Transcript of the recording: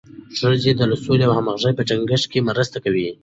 ښځې د سولې او همغږۍ په ټینګښت کې مرسته کوي.